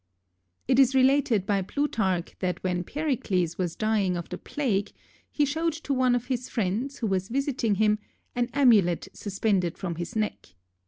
It is related by Plutarch that when Pericles was dying of the plague, he showed to one of his friends, who was visiting him, an amulet suspended from his neck.